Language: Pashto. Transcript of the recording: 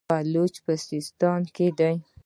بلوڅان په سیستان کې دي.